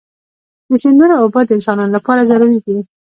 د سیندونو اوبه د انسانانو لپاره ضروري دي.